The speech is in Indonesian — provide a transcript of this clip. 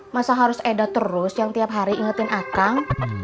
masa harus eda terus yang tiap hari ingetin akang